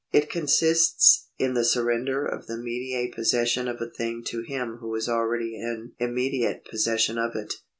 It con sists in the surrender of the mediate possession of a thing to him who is already in immediate possession of it.